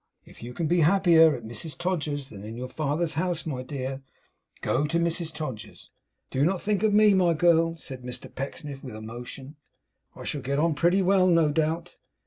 If you can be happier at Mrs Todgers's than in your father's house, my dear, go to Mrs Todgers's! Do not think of me, my girl!' said Mr Pecksniff with emotion; 'I shall get on pretty well, no doubt.